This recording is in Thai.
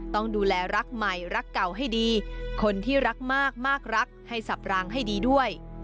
ต้องดูแลรักใหม่รักเก่าให้ดีคนที่รักมากมากรักให้สับรางให้ดีด้วย